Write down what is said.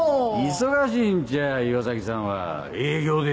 忙しいんちゃ岩崎さんは営業で。